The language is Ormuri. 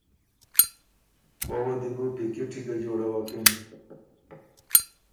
وۀ وه دی بو پیکِټی ګۀ جوړوکِن